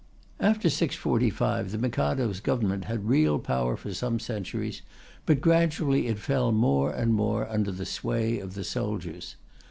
After 645, the Mikado's Government had real power for some centuries, but gradually it fell more and more under the sway of the soldiers.